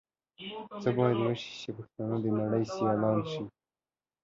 څه بايد وشي چې پښتانهٔ د نړۍ سيالان شي؟